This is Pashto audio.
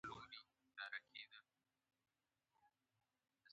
پولیس څنګه نظم راولي؟